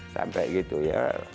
sampai gitu ya